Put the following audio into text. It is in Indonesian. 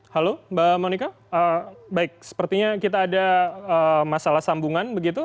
halo mbak monika baik sepertinya kita ada masalah sambungan begitu